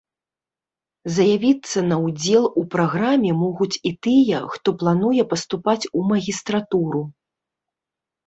Заявіцца на ўдзел у праграме могуць і тыя, хто плануе паступаць у магістратуру.